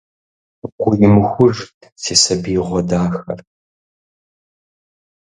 Гу имыхужт си сабиигъуэ дахэр!